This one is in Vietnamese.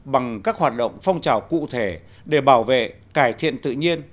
bằng các hoạt động phong trào cụ thể để bảo vệ cải thiện tự nhiên